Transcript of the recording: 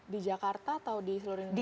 di jakarta atau di seluruh indonesia